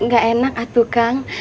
gak enak atu kang